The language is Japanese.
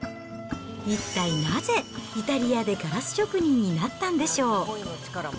一体なぜ、イタリアでガラス職人になったんでしょう。